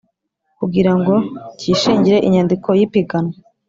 kugira ngo cyishingire inyandiko y ipiganwa